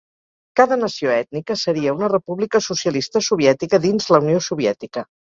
Cada nació ètnica seria una república socialista soviètica dins la Unió Soviètica.